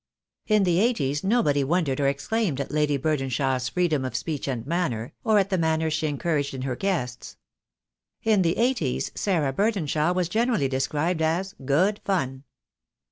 In the eighties nobody wondered or exclaimed at Lady Burdenshaw's freedom of speech and manner, or at the manners she encouraged in her guests. In the eighties Sarah Burdenshaw was generally described as "good fun."